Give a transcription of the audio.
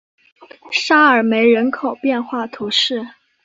沙尔梅人口变化图示